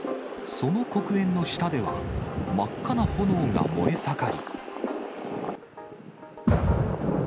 その黒煙の下では、真っ赤な炎が燃え盛り。